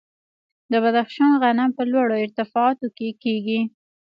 د بدخشان غنم په لوړو ارتفاعاتو کې کیږي.